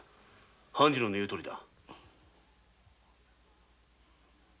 半次郎の言うとおりだ。